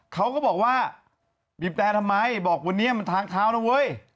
เขาก็บอกว่าบีบแต่ทำไมบอกวันนี้มันทางเท้านะเว้ย